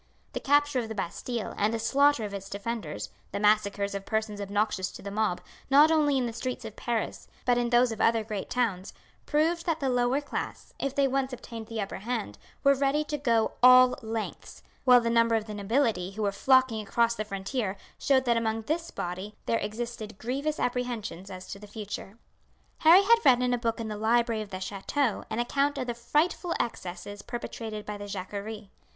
The capture of the Bastille and the slaughter of its defenders the massacres of persons obnoxious to the mob, not only in the streets of Paris but in those of other great towns, proved that the lower class, if they once obtained the upper hand, were ready to go all lengths; while the number of the nobility who were flocking across the frontier showed that among this body there existed grievous apprehensions as to the future. Harry had read in a book in the library of the chateau an account of the frightful excesses perpetrated by the Jacquerie.